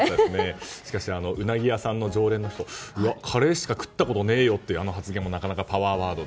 しかしウナギ屋さんの常連の人カレーしか食ったことねえよというあの発言もなかなかパワーワードで。